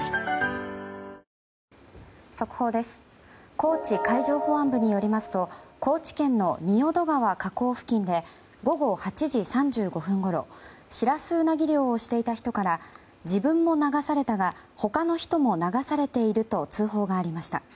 高知海上保安部によりますと高知県の仁淀川河口付近で午後８時３５分ごろシラスウナギ漁をしていた人から自分も流されたが他の人も流されていると通報がありました。